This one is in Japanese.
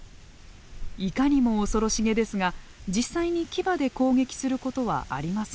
いかにも恐ろしげですが実際に牙で攻撃することはありません。